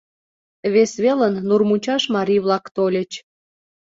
Вес велын Нурмучаш марий-влак тольыч.